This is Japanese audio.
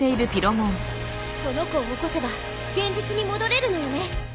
その子を起こせば現実に戻れるのよね？